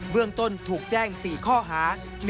เรื่องต้นถูกแจ้ง๔ข้อหา